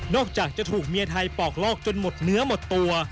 อกจากจะถูกเมียไทยปอกลอกจนหมดเนื้อหมดตัว